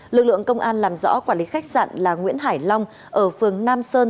lực lượng công an làm rõ quản lý khách sạn là nguyễn hải long ở phường nam sơn